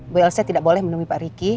bu elsa tidak boleh menemui pak riki